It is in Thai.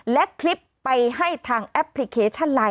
และคลิปไปให้ทางแอปพลิเคชันไลน